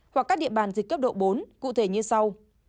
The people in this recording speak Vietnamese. hoặc các địa bàn dịch cấp độ bốn cụ thể như sau